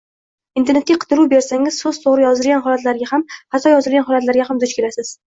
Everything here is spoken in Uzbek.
Internetga qidiruv bersangiz, soʻz toʻgʻri yozilgan holatlarga ham, xato yozilgan holatlarga ham duch kelasiz